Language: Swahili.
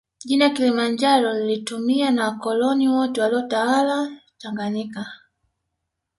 Jina kilimanjaro lilitumia na wakoloni wote waliyotawala tanganyika